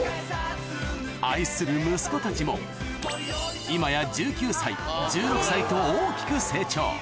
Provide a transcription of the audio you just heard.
愛する息子たちも今や１９歳１６歳と大きく成長